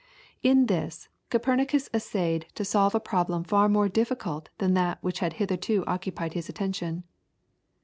In this, Copernicus essayed to solve a problem far more difficult than that which had hitherto occupied his attention.